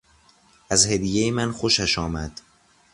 از هدیهی من خوشش آمد.